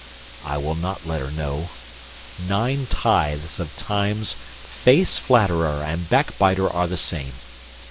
I will not let her know: nine tithes of times Face flatterer and backbiter are the same.